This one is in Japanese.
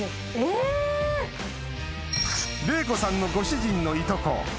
玲子さんのご主人のいとこ